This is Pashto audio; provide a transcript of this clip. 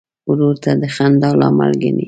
ورور ته د خندا لامل ګڼې.